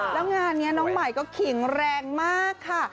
แล้วงานนี้น้องใหม่ก็ขิงแรงมากค่ะ